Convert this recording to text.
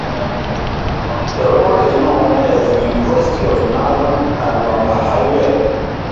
The road is known as the "University of North Alabama Highway".